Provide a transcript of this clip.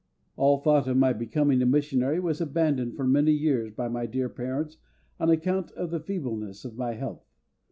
All thought of my becoming a missionary was abandoned for many years by my dear parents on account of the feebleness of my health.